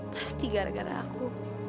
pasti gara gara aku